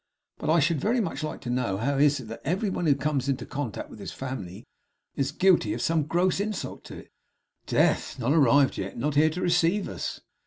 But I should very much like to know how it is that every one who comes into contact with this family is guilty of some gross insult to it. Death! Not arrived yet. Not here to receive us!